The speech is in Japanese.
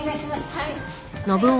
はい。